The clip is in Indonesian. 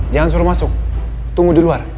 jangan suruh masuk tunggu di luar